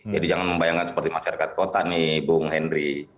jadi jangan membayangkan seperti masyarakat kota nih bung henry